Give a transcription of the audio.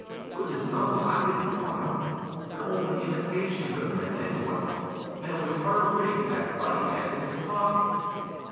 Goodness knows, I didn't want them! They're only imitation men, anyway. And it was her ring that Buddy had in his pocket."